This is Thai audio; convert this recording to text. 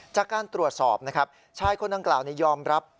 จากการตรวจสอบชายคนนังกล่าวนี่ยอมรับ